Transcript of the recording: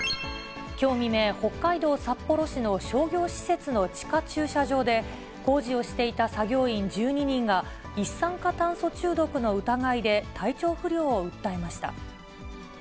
きょう未明、北海道札幌市の商業施設の地下駐車場で、工事をしていた作業員１２人が、一酸化炭素中毒の疑いで体調不良を訴えました。